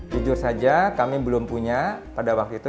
jujur saja kami belum punya pada waktu itu